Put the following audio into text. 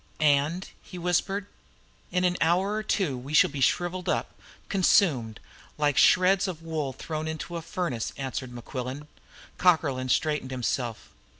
"And?" he whispered. "In an hour or two we shall be shrivelled up, consumed, like shreds of wool thrown into a furnace!" answered Mequillen. Cockerlyne straightened himself.